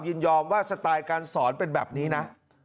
ยินยอมว่าสไตล์การสอนเป็นแบบนี้นะ